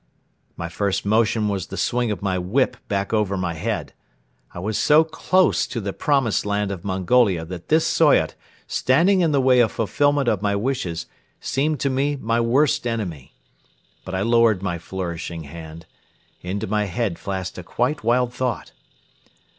My first motion was the swing of my whip back over my head. I was so close to the "Promised Land" of Mongolia that this Soyot, standing in the way of fulfilment of my wishes, seemed to me my worst enemy. But I lowered my flourishing hand. Into my head flashed a quite wild thought.